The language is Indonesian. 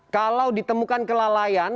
kalau ditemukan kelalaian